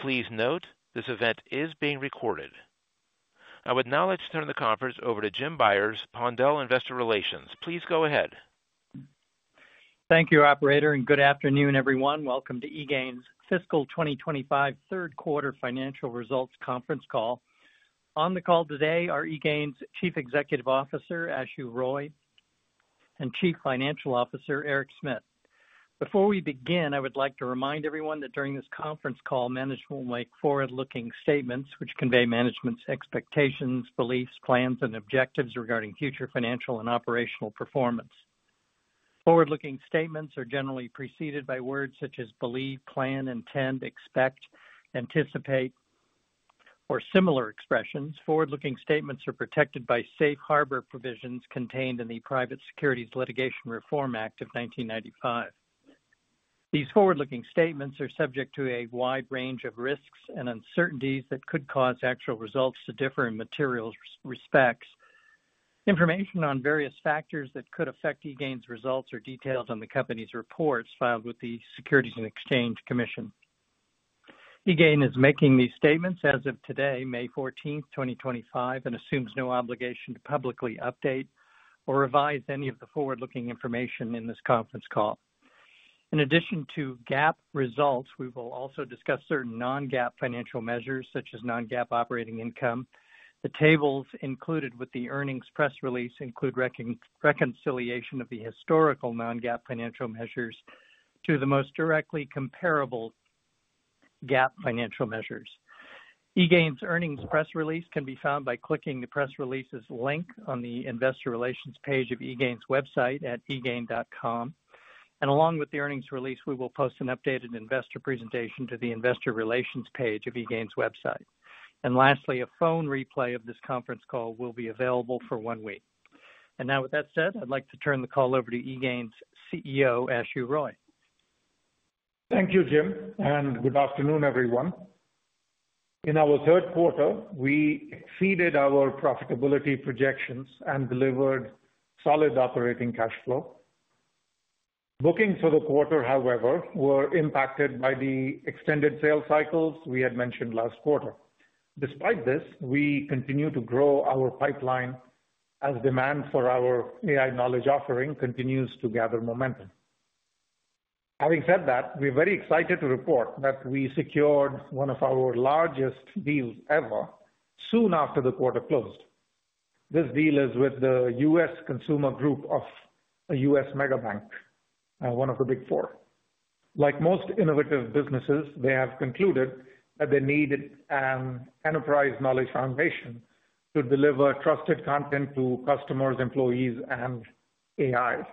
Please note, this event is being recorded. I would now like to turn the conference over to Jim Byers, Pandell Investor Relations. Please go ahead. Thank you, operator, and good afternoon, everyone. Welcome to eGain's fiscal 2025 third quarter financial results conference call. On the call today are eGain's Chief Executive Officer, Ashu Roy, and Chief Financial Officer, Eric Smit. Before we begin, I would like to remind everyone that during this conference call, management will make forward-looking statements which convey management's expectations, beliefs, plans, and objectives regarding future financial and operational performance. Forward-looking statements are generally preceded by words such as believe, plan, intend, expect, anticipate, or similar expressions. Forward-looking statements are protected by safe harbor provisions contained in the Private Securities Litigation Reform Act of 1995. These forward-looking statements are subject to a wide range of risks and uncertainties that could cause actual results to differ in material respects. Information on various factors that could affect eGain's results are detailed on the company's reports filed with the Securities and Exchange Commission. eGain is making these statements as of today, May 14th, 2025, and assumes no obligation to publicly update or revise any of the forward-looking information in this conference call. In addition to GAAP results, we will also discuss certain non-GAAP financial measures such as non-GAAP operating income. The tables included with the earnings press release include reconciliation of the historical non-GAAP financial measures to the most directly comparable GAAP financial measures. eGain's earnings press release can be found by clicking the press release's link on the Investor Relations page of eGain's website at egain.com. Along with the earnings release, we will post an updated investor presentation to the Investor Relations page of eGain's website. Lastly, a phone replay of this conference call will be available for one week. With that said, I'd like to turn the call over to eGain's CEO, Ashu Roy. Thank you, Jim, and good afternoon, everyone. In our third quarter, we exceeded our profitability projections and delivered solid operating cash flow. Bookings for the quarter, however, were impacted by the extended sales cycles we had mentioned last quarter. Despite this, we continue to grow our pipeline as demand for our AI knowledge offering continues to gather momentum. Having said that, we are very excited to report that we secured one of our largest deals ever soon after the quarter closed. This deal is with the U.S. consumer group of a U.S. mega bank, one of the Big Four. Like most innovative businesses, they have concluded that they need an enterprise knowledge foundation to deliver trusted content to customers, employees, and AIs.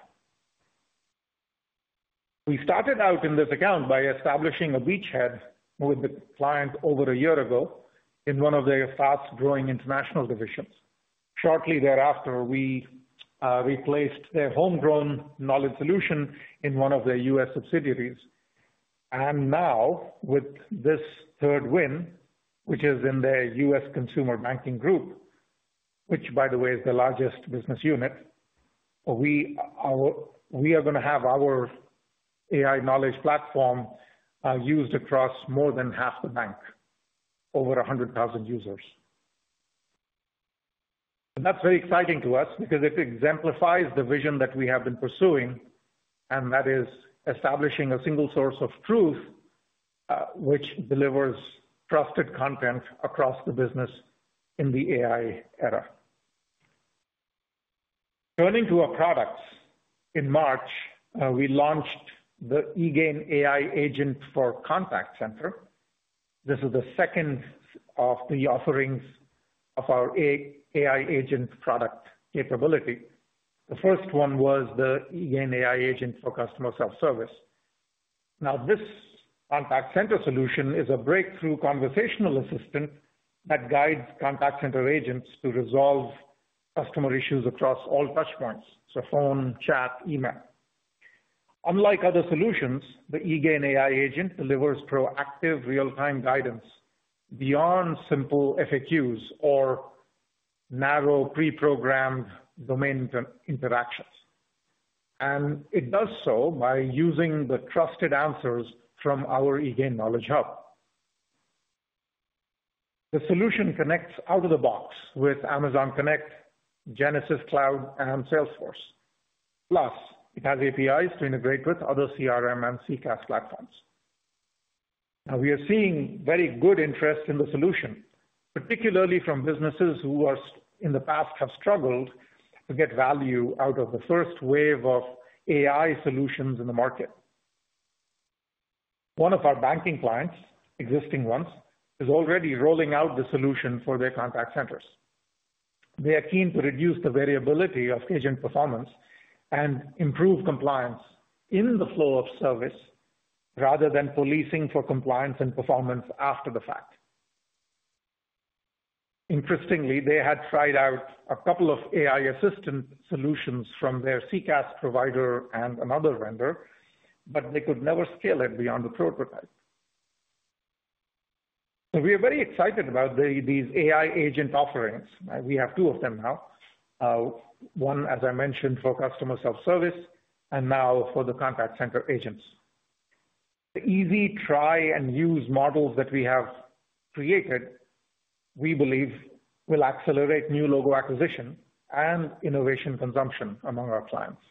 We started out in this account by establishing a beachhead with the client over a year ago in one of their fast-growing international divisions. Shortly thereafter, we replaced their homegrown knowledge solution in one of their U.S. subsidiaries. Now, with this third win, which is in the U.S. consumer banking group, which, by the way, is the largest business unit, we are going to have our AI knowledge platform used across more than half the bank, over 100,000 users. That is very exciting to us because it exemplifies the vision that we have been pursuing, and that is establishing a single source of truth which delivers trusted content across the business in the AI era. Turning to our products, in March, we launched the eGain AI Agent for Contact Center. This is the second of the offerings of our AI Agent product capability. The first one was the eGain AI Agent for Customer Self-Service. Now, this contact center solution is a breakthrough conversational assistant that guides contact center agents to resolve customer issues across all touch points, so phone, chat, email. Unlike other solutions, the eGain AI Agent delivers proactive real-time guidance beyond simple FAQs or narrow pre-programmed domain interactions. It does so by using the trusted answers from our eGain Knowledge Hub. The solution connects out of the box with Amazon Connect, Genesys Cloud, and Salesforce. Plus, it has APIs to integrate with other CRM and CCaaS platforms. Now, we are seeing very good interest in the solution, particularly from businesses who in the past have struggled to get value out of the first wave of AI solutions in the market. One of our banking clients, existing ones, is already rolling out the solution for their contact centers. They are keen to reduce the variability of agent performance and improve compliance in the flow of service rather than policing for compliance and performance after the fact. Interestingly, they had tried out a couple of AI assistant solutions from their CCaaS provider and another vendor, but they could never scale it beyond the prototype. We are very excited about these AI agent offerings. We have two of them now, one, as I mentioned, for customer self-service, and now for the contact center agents. The easy try-and-use models that we have created, we believe, will accelerate new logo acquisition and innovation consumption among our clients.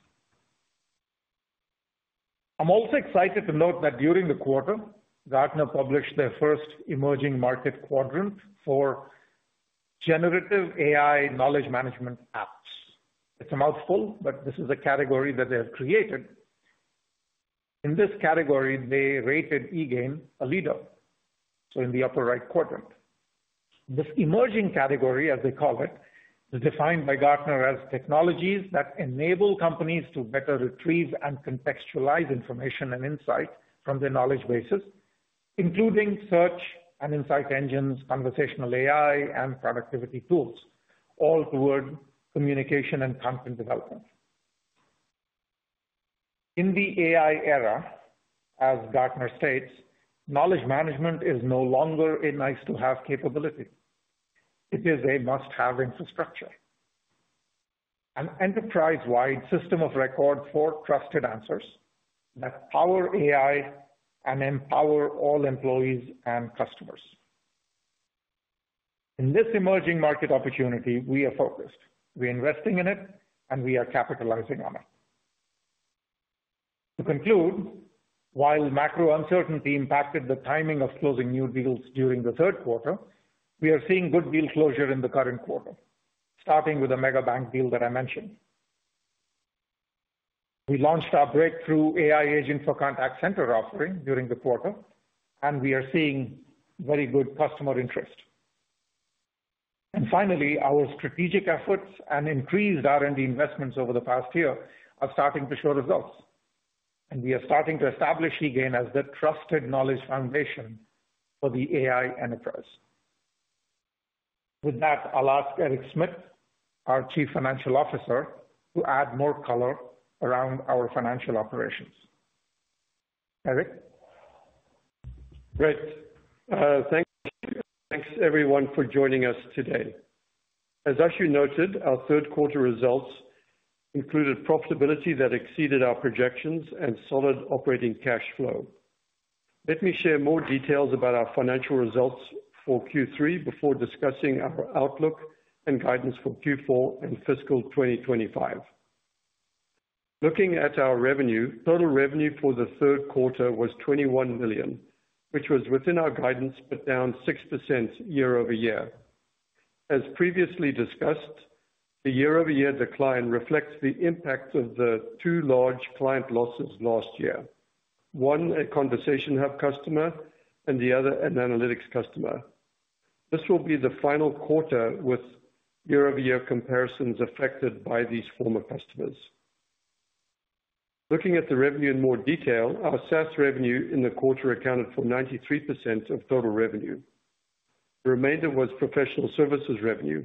I'm also excited to note that during the quarter, Gartner published their first emerging market quadrant for generative AI knowledge management apps. It's a mouthful, but this is a category that they have created. In this category, they rated eGain a leader, so in the upper right quadrant. This emerging category, as they call it, is defined by Gartner as technologies that enable companies to better retrieve and contextualize information and insight from their knowledge bases, including search and insight engines, conversational AI, and productivity tools, all toward communication and content development. In the AI era, as Gartner states, knowledge management is no longer a nice-to-have capability. It is a must-have infrastructure, an enterprise-wide system of records for trusted answers that power AI and empower all employees and customers. In this emerging market opportunity, we are focused. We are investing in it, and we are capitalizing on it. To conclude, while macro uncertainty impacted the timing of closing new deals during the third quarter, we are seeing good deal closure in the current quarter, starting with a mega bank deal that I mentioned. We launched our breakthrough AI agent for contact center offering during the quarter, and we are seeing very good customer interest. Our strategic efforts and increased R&D investments over the past year are starting to show results. We are starting to establish eGain as the trusted knowledge foundation for the AI enterprise. With that, I'll ask Eric Smit, our Chief Financial Officer, to add more color around our financial operations. Eric? Right. Thanks, everyone, for joining us today. As Ashu noted, our third quarter results included profitability that exceeded our projections and solid operating cash flow. Let me share more details about our financial results for Q3 before discussing our outlook and guidance for Q4 and fiscal 2025. Looking at our revenue, total revenue for the third quarter was $21 million, which was within our guidance, but down 6% year-over-year. As previously discussed, the year-over-year decline reflects the impact of the two large client losses last year, one a Conversation Hub customer and the other an analytics customer. This will be the final quarter with year-over-year comparisons affected by these former customers. Looking at the revenue in more detail, our SaaS revenue in the quarter accounted for 93% of total revenue. The remainder was professional services revenue.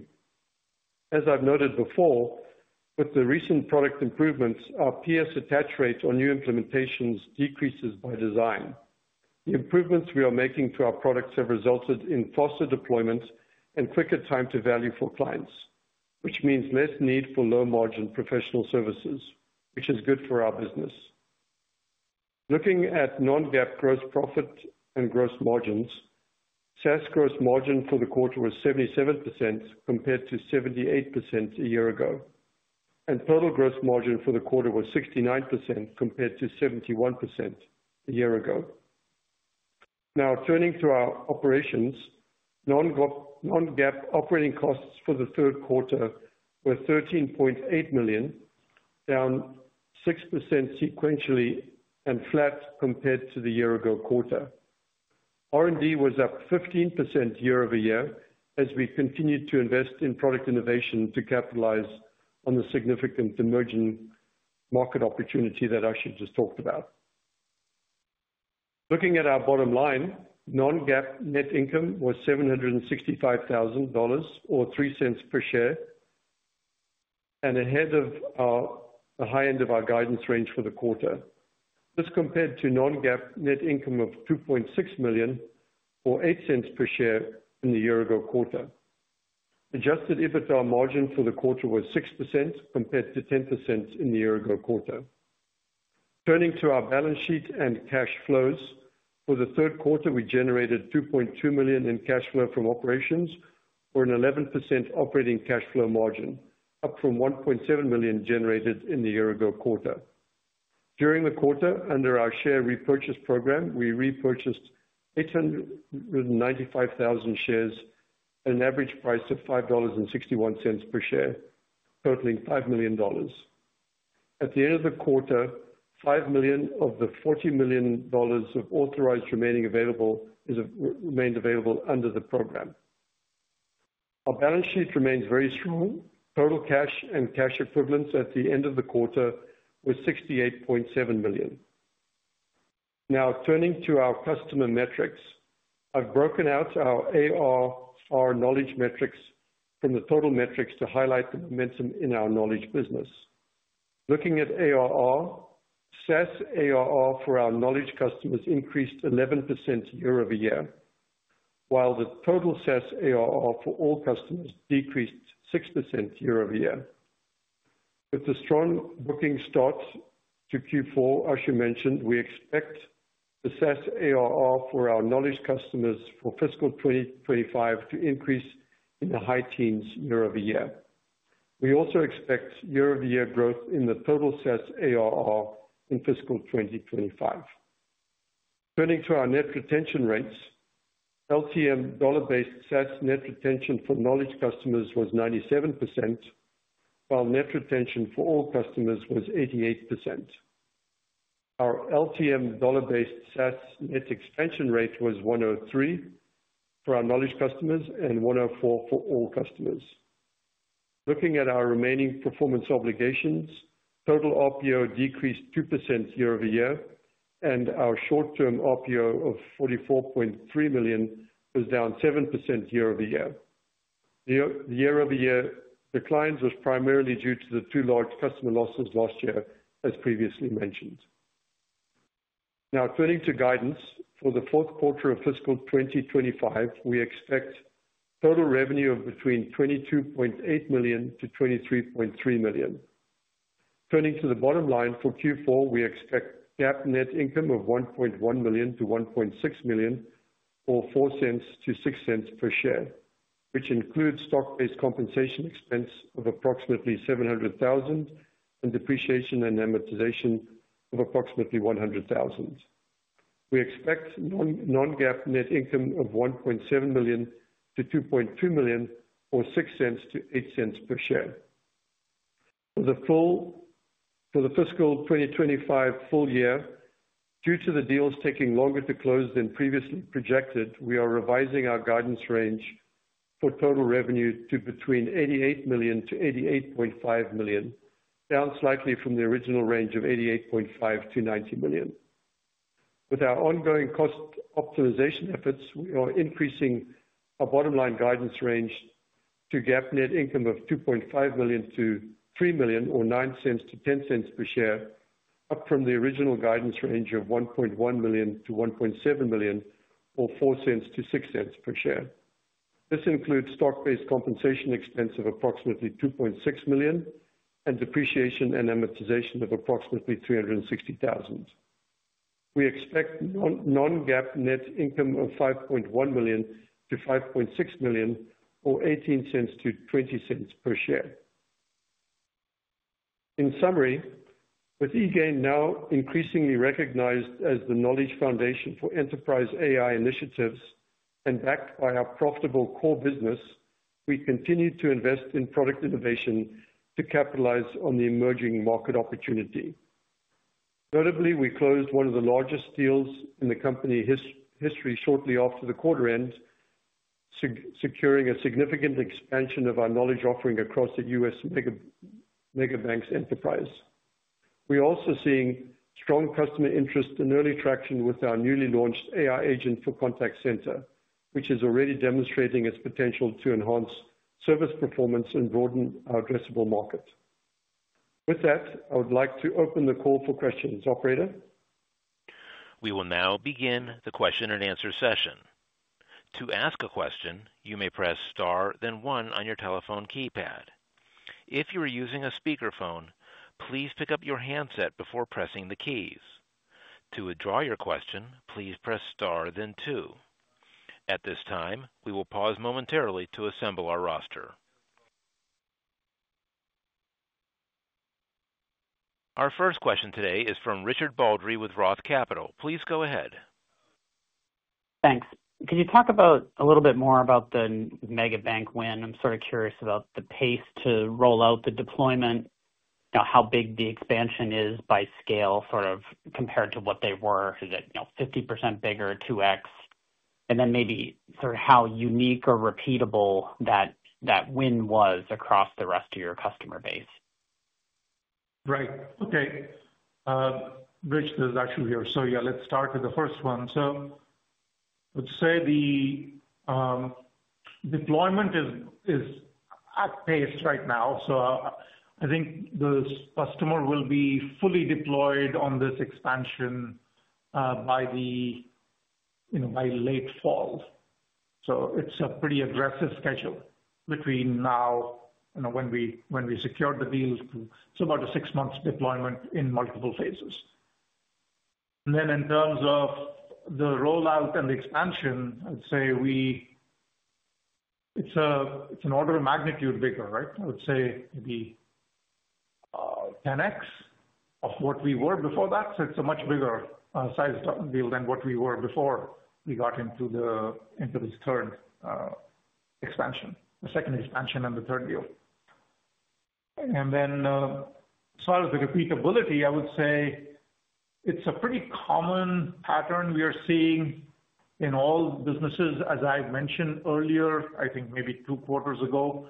As I've noted before, with the recent product improvements, our PS attach rate on new implementations decreases by design. The improvements we are making to our products have resulted in faster deployments and quicker time to value for clients, which means less need for low-margin professional services, which is good for our business. Looking at non-GAAP gross profit and gross margins, SaaS gross margin for the quarter was 77% compared to 78% a year ago. Total gross margin for the quarter was 69% compared to 71% a year ago. Now, turning to our operations, non-GAAP operating costs for the third quarter were $13.8 million, down 6% sequentially and flat compared to the year-ago quarter. R&D was up 15% year-over-year as we continued to invest in product innovation to capitalize on the significant emerging market opportunity that Ashu just talked about. Looking at our bottom line, non-GAAP net income was $765,000 or $0.03 per share, and ahead of the high end of our guidance range for the quarter. This compared to non-GAAP net income of $2.6 million or $0.08 per share in the year-ago quarter. Adjusted EBITDA margin for the quarter was 6% compared to 10% in the year-ago quarter. Turning to our balance sheet and cash flows, for the third quarter, we generated $2.2 million in cash flow from operations for an 11% operating cash flow margin, up from $1.7 million generated in the year-ago quarter. During the quarter, under our share repurchase program, we repurchased 895,000 shares at an average price of $5.61 per share, totaling $5 million. At the end of the quarter, $5 million of the $40 million authorized remained available under the program. Our balance sheet remains very strong. Total cash and cash equivalents at the end of the quarter were $68.7 million. Now, turning to our customer metrics, I've broken out our ARR knowledge metrics from the total metrics to highlight the momentum in our knowledge business. Looking at ARR, SaaS ARR for our knowledge customers increased 11% year over year, while the total SaaS ARR for all customers decreased 6% year-over-year. With the strong booking start to Q4, Ashu mentioned, we expect the SaaS ARR for our knowledge customers for fiscal 2025 to increase in the high teens year over year. We also expect year-over-year growth in the total SaaS ARR in fiscal 2025. Turning to our net retention rates, LTM dollar-based SaaS net retention for knowledge customers was 97%, while net retention for all customers was 88%. Our LTM dollar-based SaaS net expansion rate was 103 for our knowledge customers and 104 for all customers. Looking at our remaining performance obligations, total RPO decreased 2% year-over-year, and our short-term RPO of $44.3 million was down 7% year-over-year. The year-over-year decline was primarily due to the two large customer losses last year, as previously mentioned. Now, turning to guidance for the fourth quarter of fiscal 2025, we expect total revenue of between $22.8 million and $23.3 million. Turning to the bottom line for Q4, we expect GAAP net income of $1.1 million-$1.6 million or $0.04-$0.06 per share, which includes stock-based compensation expense of approximately $700,000 and depreciation and amortization of approximately $100,000. We expect non-GAAP net income of $1.7 million-$2.2 million or $0.06-$0.08 cents per share. For the fiscal 2025 full year, due to the deals taking longer to close than previously projected, we are revising our guidance range for total revenue to between $88 million-$88.5 million, down slightly from the original range of $88.5 million-$90 million. With our ongoing cost optimization efforts, we are increasing our bottom line guidance range to GAAP net income of $2.5 million-$3 million or $0.09-$0.10 per share, up from the original guidance range of $1.1 million-$1.7 million or $0.04-$0.06 per share. This includes stock-based compensation expense of approximately $2.6 million and depreciation and amortization of approximately $360,000. We expect non-GAAP net income of $5.1 million-$5.6 million or $0.18-$0.20 per share. In summary, with eGain now increasingly recognized as the knowledge foundation for enterprise AI initiatives and backed by our profitable core business, we continue to invest in product innovation to capitalize on the emerging market opportunity. Notably, we closed one of the largest deals in the company history shortly after the quarter end, securing a significant expansion of our knowledge offering across the U.S. mega banks enterprise. We are also seeing strong customer interest and early traction with our newly launched AI Agent for Contact Center, which is already demonstrating its potential to enhance service performance and broaden our addressable market. With that, I would like to open the call for questions, operator. We will now begin the question-and-answer session. To ask a question, you may press star, then one on your telephone keypad. If you are using a speakerphone, please pick up your handset before pressing the keys. To withdraw your question, please press star, then two. At this time, we will pause momentarily to assemble our roster. Our first question today is from Richard Baldry with ROTH Capital. Please go ahead. Thanks. Can you talk a little bit more about the mega bank win? I'm sort of curious about the pace to roll out the deployment, how big the expansion is by scale sort of compared to what they were. Is it 50% bigger, 2x? Maybe sort of how unique or repeatable that win was across the rest of your customer base. Right. Okay. Rich, this is Ashu here. Yeah, let's start with the first one. I would say the deployment is at pace right now. I think the customer will be fully deployed on this expansion by late fall. It's a pretty aggressive schedule between now when we secured the deal. About a six-month deployment in multiple phases. In terms of the rollout and the expansion, I'd say it's an order of magnitude bigger, right? I would say maybe 10x of what we were before that. It's a much bigger size deal than what we were before we got into this third expansion, the second expansion and the third deal. As far as the repeatability, I would say it's a pretty common pattern we are seeing in all businesses, as I mentioned earlier, I think maybe two quarters ago.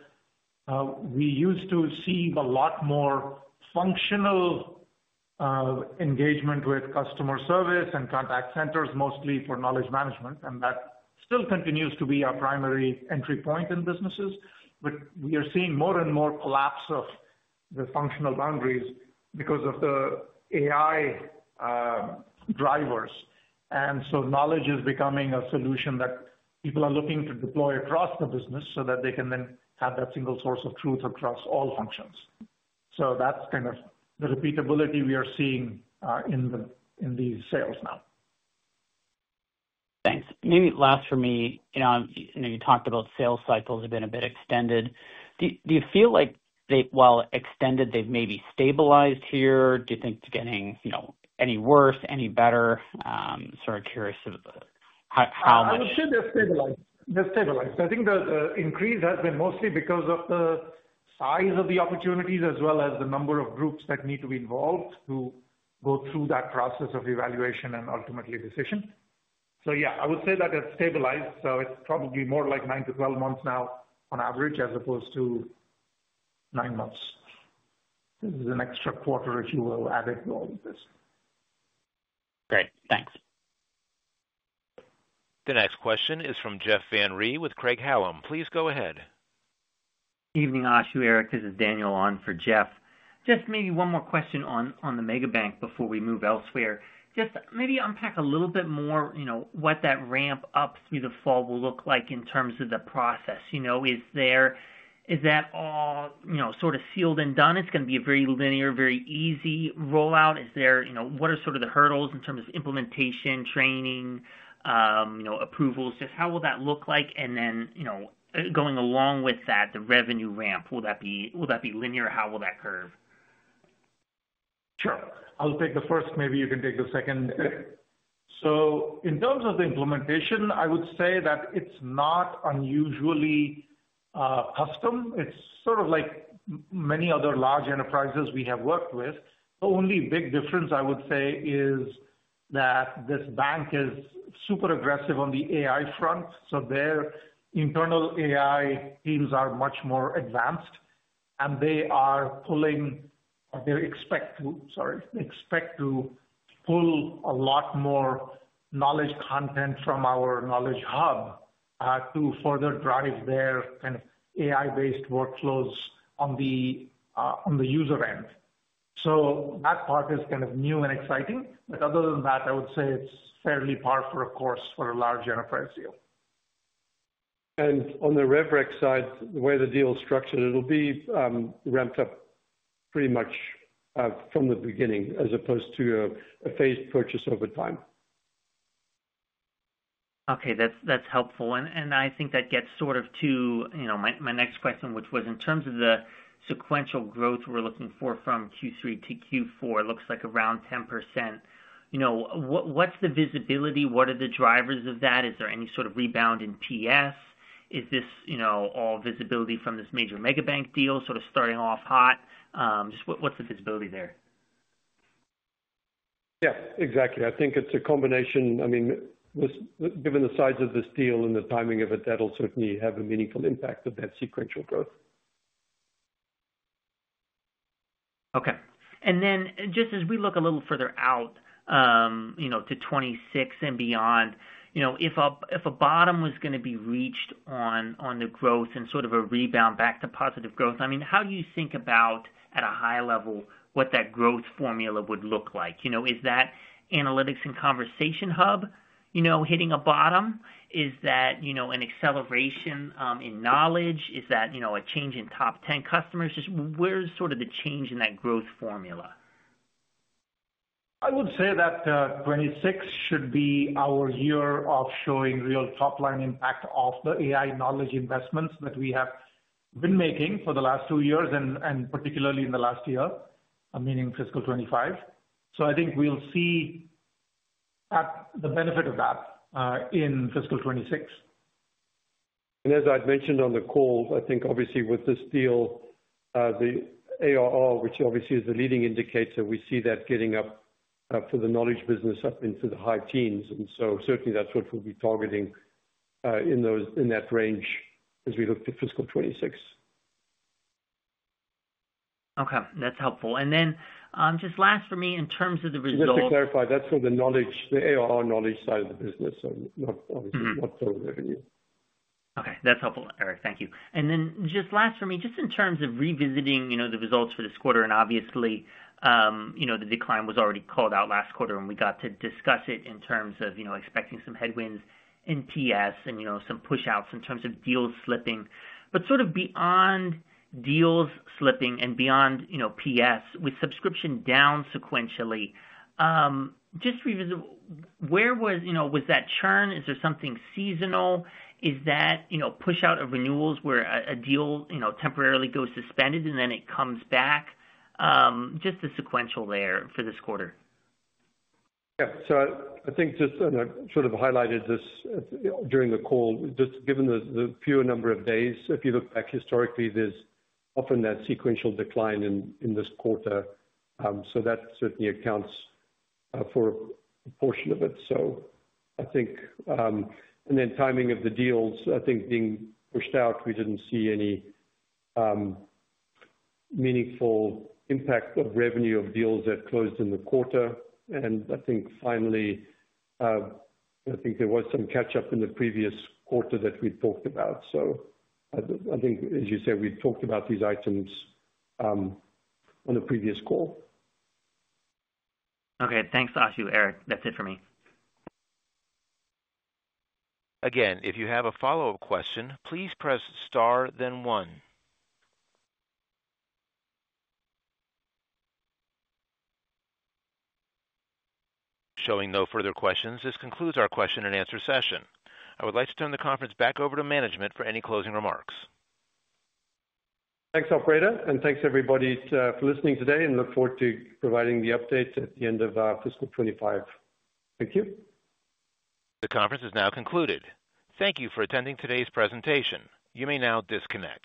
We used to see a lot more functional engagement with customer service and contact centers, mostly for knowledge management. That still continues to be our primary entry point in businesses. We are seeing more and more collapse of the functional boundaries because of the AI drivers. Knowledge is becoming a solution that people are looking to deploy across the business so that they can then have that single source of truth across all functions. That is kind of the repeatability we are seeing in the sales now. Thanks. Maybe last for me, you talked about sales cycles have been a bit extended. Do you feel like while extended, they've maybe stabilized here? Do you think it's getting any worse, any better? Sort of curious of how much. I would say they're stabilized. They're stabilized. I think the increase has been mostly because of the size of the opportunities as well as the number of groups that need to be involved to go through that process of evaluation and ultimately decision. Yeah, I would say that it's stabilized. It's probably more like 9-12 months now on average as opposed to nine months. This is an extra quarter, if you will, added to all of this. Great. Thanks. The next question is from Jeff Van Rhee with Craig-Hallum. Please go ahead. Evening, Ashu Roy. This is Daniel on for Jeff. Just maybe one more question on the mega bank before we move elsewhere. Just maybe unpack a little bit more what that ramp up through the fall will look like in terms of the process. Is that all sort of sealed and done? It's going to be a very linear, very easy rollout. What are sort of the hurdles in terms of implementation, training, approvals? Just how will that look like? And then going along with that, the revenue ramp, will that be linear? How will that curve? Sure. I'll take the first. Maybe you can take the second. In terms of the implementation, I would say that it's not unusually custom. It's sort of like many other large enterprises we have worked with. The only big difference, I would say, is that this bank is super aggressive on the AI front. Their internal AI teams are much more advanced. They expect to pull a lot more knowledge content from our Knowledge Hub to further drive their kind of AI-based workflows on the user end. That part is kind of new and exciting. Other than that, I would say it's fairly par for the course for a large enterprise deal. On the REVREX side, the way the deal is structured, it'll be ramped up pretty much from the beginning as opposed to a phased purchase over time. Okay. That's helpful. I think that gets sort of to my next question, which was in terms of the sequential growth we're looking for from Q3 to Q4, it looks like around 10%. What's the visibility? What are the drivers of that? Is there any sort of rebound in PS? Is this all visibility from this major mega bank deal sort of starting off hot? Just what's the visibility there? Yeah, exactly. I think it's a combination. I mean, given the size of this deal and the timing of it, that'll certainly have a meaningful impact of that sequential growth. Okay. Just as we look a little further out to 2026 and beyond, if a bottom was going to be reached on the growth and sort of a rebound back to positive growth, I mean, how do you think about, at a high level, what that growth formula would look like? Is that analytics and Conversation Hub hitting a bottom? Is that an acceleration in knowledge? Is that a change in top 10 customers? Just where's sort of the change in that growth formula? I would say that 2026 should be our year of showing real top-line impact of the AI knowledge investments that we have been making for the last two years and particularly in the last year, meaning fiscal 2025. I think we'll see the benefit of that in fiscal 2026. As I've mentioned on the call, I think obviously with this deal, the ARR, which obviously is the leading indicator, we see that getting up for the knowledge business up into the high teens. Certainly that's what we'll be targeting in that range as we look to fiscal 2026. Okay. That's helpful. And then just last for me in terms of the results. Just to clarify, that's for the knowledge, the ARR knowledge side of the business, so not for revenue. Okay. That's helpful, Eric. Thank you. Just last for me, just in terms of revisiting the results for this quarter, and obviously the decline was already called out last quarter when we got to discuss it in terms of expecting some headwinds in PS and some push-outs in terms of deals slipping. Sort of beyond deals slipping and beyond PS with subscription down sequentially, just where was that churn? Is there something seasonal? Is that push-out of renewals where a deal temporarily goes suspended and then it comes back? Just the sequential layer for this quarter. Yeah. I think just sort of highlighted this during the call, just given the fewer number of days, if you look back historically, there's often that sequential decline in this quarter. That certainly accounts for a portion of it. I think, and then timing of the deals, I think being pushed out, we didn't see any meaningful impact of revenue of deals that closed in the quarter. I think finally, there was some catch-up in the previous quarter that we talked about. I think, as you say, we talked about these items on the previous call. Okay. Thanks, Ashu. Eric, that's it for me. Again, if you have a follow-up question, please press star, then one. Showing no further questions, this concludes our question-and-answer session. I would like to turn the conference back over to management for any closing remarks. Thanks, operator. Thanks, everybody, for listening today and look forward to providing the update at the end of fiscal 2025. Thank you. The conference is now concluded. Thank you for attending today's presentation. You may now disconnect.